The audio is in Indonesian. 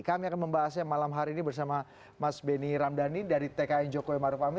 kami akan membahasnya malam hari ini bersama mas benny ramdhani dari tkn jokowi maruf amin